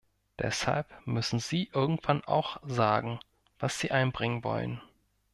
Deshalb müssen Sie irgendwann auch sagen, was Sie einbringen wollen.